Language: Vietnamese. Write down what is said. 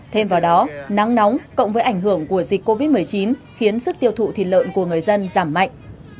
thêm vào đó nắng nóng cộng với ảnh hưởng của dịch covid một mươi chín khiến sức tiêu thụ thịt lợn của người dân giảm mạnh